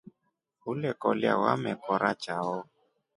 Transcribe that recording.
Ulekolya vamekora chao.